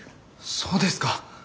そうですか。